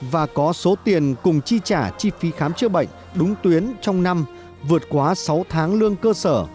và có số tiền cùng chi trả chi phí khám chữa bệnh đúng tuyến trong năm vượt quá sáu tháng lương cơ sở